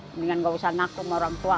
mendingan gak usah naku sama orang tua